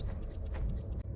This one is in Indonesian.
nanti aku akan datang